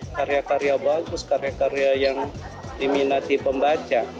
karya karya bagus karya karya yang diminati pembaca